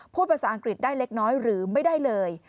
พูดภาษาอังกฤษได้เล็กน้อยหรือไม่ได้เลย